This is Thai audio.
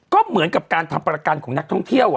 ก็เหมือนกับการทำประกันของนักท่องเที่ยว